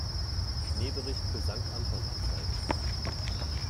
Schneebericht für Sankt Anton anzeigen.